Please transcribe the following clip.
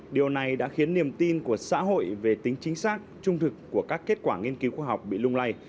điều này đã khiến niềm tin của xã hội về tính chính xác trung thực của các kết quả nghiên cứu khoa học bị lung lay